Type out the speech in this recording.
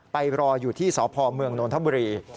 ไปรออยู่ที่สพเมืองนทบุรี